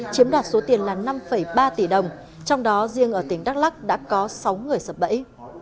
chiếm đoạt số tiền là năm ba tỷ đồng trong đó riêng ở tỉnh đắk lắc đã có sáu người sập bẫy